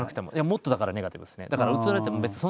もっとだからネガティブですね。